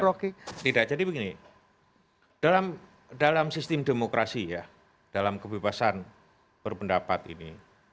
rocky tidak jadi begini dalam sistem demokrasi ya dalam kebebasan berpendapat ini